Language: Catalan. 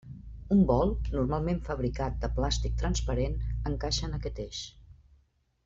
Un bol, normalment fabricat de plàstic transparent, encaixa en aquest eix.